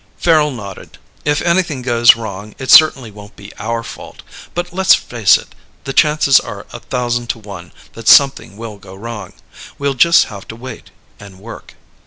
Farrel nodded. "If anything goes wrong, it certainly won't be our fault. But let's face it the chances are a thousand to one that something will go wrong. We'll just have to wait. And work."